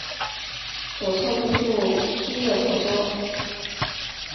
左侧绿树枝叶婆娑